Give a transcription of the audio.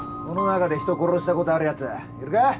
この中で人殺したことあるやついるか？